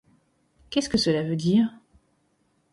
Qu’est-ce que cela veut dire ?